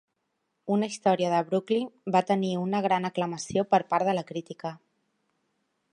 "Una història de Brooklyn" va tenir una gran aclamació per part de la crítica.